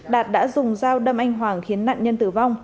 đạt đã dùng dao đâm anh hoàng khiến nặn nhiễm